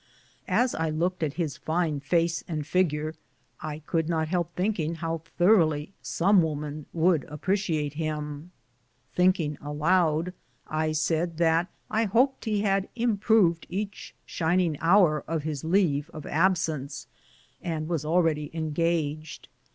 As I looked at his fine face and figure, I could not help thinking how thoroughly some woman would appreciate him. Think ing aloud, I said that I hoped he had " improved each 64 BOOTS AND SADDLES. shining hour " of his leave of absence, and was already engaged.